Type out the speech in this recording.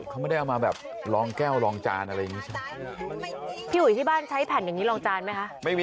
เขาไม่ได้เอามาแบบลองแก้วลองจานอะไรอย่างนี้ใช่ไหม